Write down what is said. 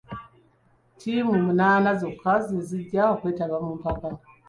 Ttiimu munaana zokka ze zijja okwetaba mu mpaka.